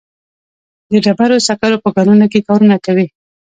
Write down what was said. د ډبرو سکرو په کانونو کې کارونه کوي.